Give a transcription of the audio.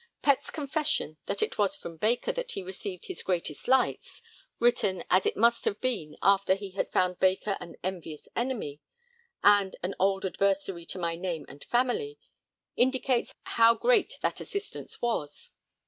Pett's confession that it was from Baker that he received his 'greatest lights,' written, as it must have been, after he had found Baker an 'envious enemy' and an 'old adversary to my name and family,' indicates how great that assistance was.